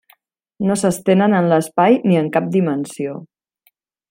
No s'estenen en l'espai ni en cap dimensió.